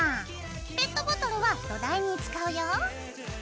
ペットボトルは土台に使うよ。